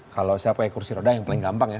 kalau saya pakai kursi roda yang paling gampang ya